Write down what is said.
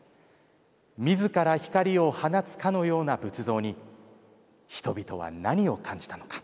自ら光を放つかのような仏像に人々は何を感じたのか。